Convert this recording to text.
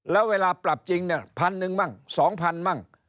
แล้วเวลาปรับจริงเนี่ย๑๐๐๐บาทนึงมั่ง๒๐๐๐บาทมั่ง